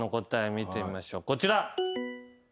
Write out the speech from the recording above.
見てみましょうこちら。